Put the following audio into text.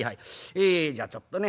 えじゃあちょっとね